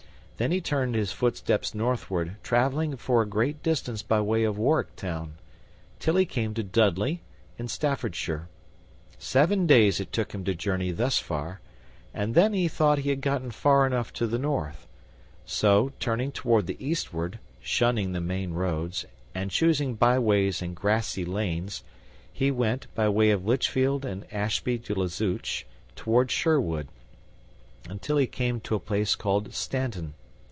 Thence he turned his footsteps northward, traveling for a great distance by way of Warwick Town, till he came to Dudley, in Staffordshire. Seven days it took him to journey thus far, and then he thought he had gotten far enough to the north, so, turning toward the eastward, shunning the main roads, and choosing byways and grassy lanes, he went, by way of Litchfield and Ashby de la Zouch, toward Sherwood, until he came to a place called Stanton.